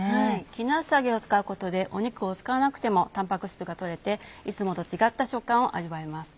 絹厚揚げを使うことで肉を使わなくてもタンパク質が取れていつもと違った食感を味わえます。